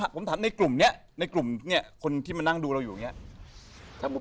ผมถามในกลุ่มนี้ในกลุ่มคนที่มานั่งดูเราอยู่อย่างนี้